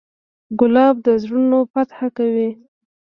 ګلاب د زړونو فتحه کوي.